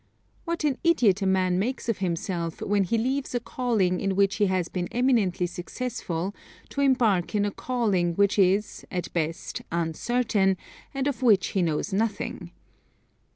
What an idiot a man makes of himself when he leaves a calling in which he has been eminently successful to embark in a calling which is, at best, uncertain, and of which he knows nothing.